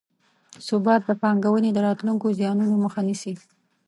ثبات د پانګونې د راتلونکو زیانونو مخه نیسي.